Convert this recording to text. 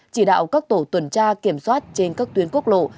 chỉ đạo các tổ tuần tra kiểm soát trên các tuyến quốc lộ